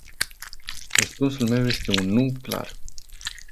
Răspunsul meu este un "nu” clar.